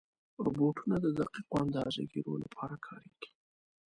روبوټونه د دقیقو اندازهګیرو لپاره کارېږي.